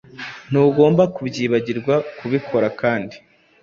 Ntugomba kubyibagirwa kubikora kandi